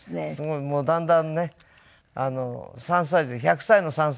もうだんだんね３歳児に１００歳の３歳児です。